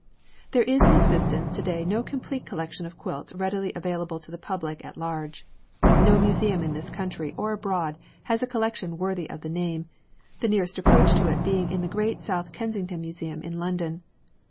There is in existence to day no complete collection of quilts readily available to the public at large. No museum in this country or abroad has a collection worthy of the name, the nearest approach to it being in the great South Kensington Museum in London.